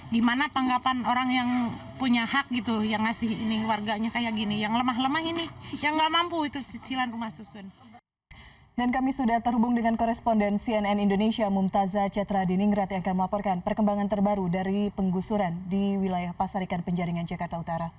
dan kami sudah terhubung dengan koresponden cnn indonesia mumtazah cetra diningrat yang akan melaporkan perkembangan terbaru dari penggusuran di wilayah pasar ikan penjaringan jakarta utara